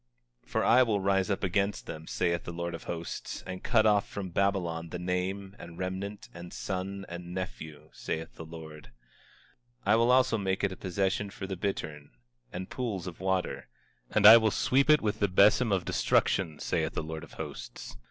24:22 For I will rise up against them, saith the Lord of Hosts, and cut off from Babylon the name, and remnant, and son, and nephew, saith the Lord. 24:23 I will also make it a possession for the bittern, and pools of water; and I will sweep it with the besom of destruction, saith the Lord of Hosts.